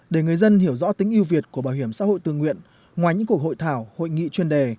để người dân hiểu rõ tính yêu việt của bảo hiểm xã hội tự nguyện ngoài những cuộc hội thảo hội nghị chuyên đề